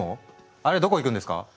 あれどこ行くんですか？